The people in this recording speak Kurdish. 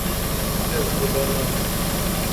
Ez li ba nakim.